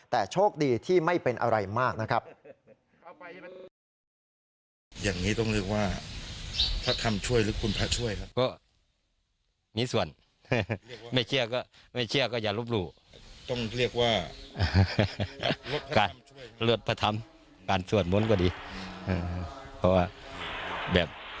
แต่โชคดีที่ไม่เป็นอะไรมากนะครับ